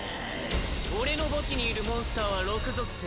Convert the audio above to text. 俺の墓地にいるモンスターは６属性。